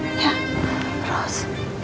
terima kasih ros